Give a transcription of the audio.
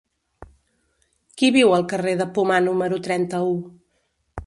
Qui viu al carrer de Pomar número trenta-u?